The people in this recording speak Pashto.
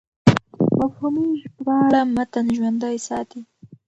مفهومي ژباړه متن ژوندی ساتي.